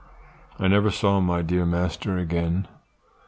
"I never saw my dear master again.